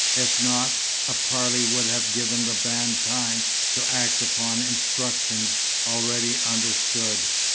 If not, a parley would have given the band time to act upon instructions already understood.